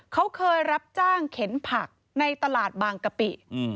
เขาเคยรับจ้างเข็นผักในตลาดบางกะปิ